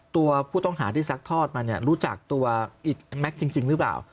ตัวผู้ต้องหาที่ซักทอดมาเนี่ยรู้จักตัวอิตแม็กซ์จริงหรือเปล่า